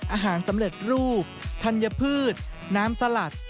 สำเร็จรูปธัญพืชน้ำสลัด